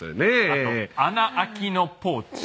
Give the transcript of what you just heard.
あと穴開きのポーチ。